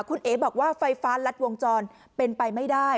คุณเอ๋บอกว่าไฟฟ้ารัดวงจรเป็นไปไม่ได้